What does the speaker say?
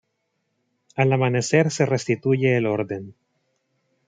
Al amanecer se restituye el orden.